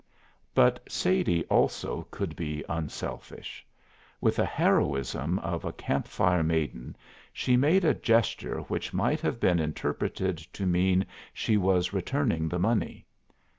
But Sadie also could be unselfish. With a heroism of a camp fire maiden she made a gesture which might have been interpreted to mean she was returning the money.